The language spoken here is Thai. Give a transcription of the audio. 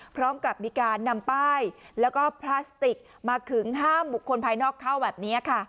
พร้อมกับมีการนำป้ายแล้วก็พลาสติกมาขึงห้ามบุคคลภายนอกเข้าแบบนี้ค่ะ